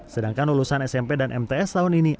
sedangkan lulusan smp dan mts tahun ini